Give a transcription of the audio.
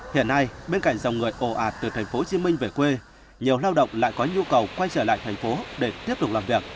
hiện nay bên cạnh dòng người ồ ạt từ thành phố hồ chí minh về quê nhiều lao động lại có nhu cầu quay trở lại thành phố để tiếp tục làm việc